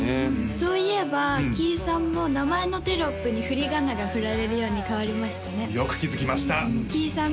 そういえばキイさんも名前のテロップにふりがなが振られるように変わりましたねよく気づきましたキイさん